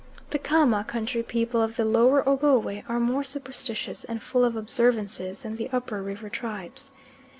The Kama country people of the lower Ogowe are more superstitious and full of observances than the upper river tribes.